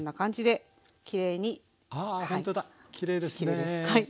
きれいですね。